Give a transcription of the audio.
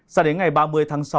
sao đến ngày ba mươi tháng sáu